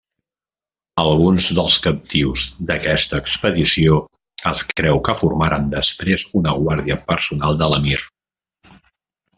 Alguns dels captius d'aquesta expedició es creu que formaren després una guàrdia personal de l'emir.